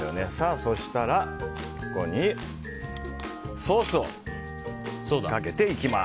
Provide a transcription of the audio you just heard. そしたら、ここにソースをかけていきます。